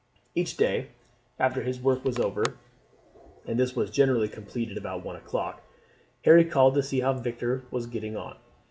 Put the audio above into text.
Each day after his work was over, and this was generally completed by about one o'clock, Harry called to see how Victor was getting on.